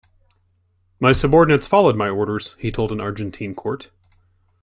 My subordinates followed my orders, he told an Argentine court.